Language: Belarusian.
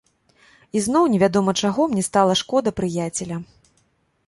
І зноў невядома чаго мне стала шкода прыяцеля.